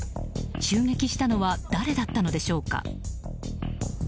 襲撃したのは誰だったのでしょうか。